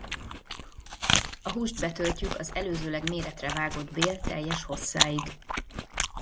A húst betöltjük az előzőleg méretre vágott bél teljes hosszáig.